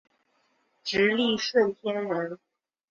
直隶顺天人。